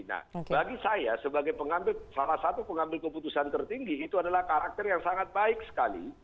nah bagi saya sebagai salah satu pengambil keputusan tertinggi itu adalah karakter yang sangat baik sekali